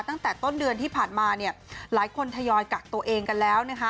ตั้งแต่ต้นเดือนที่ผ่านมาเนี่ยหลายคนทยอยกักตัวเองกันแล้วนะคะ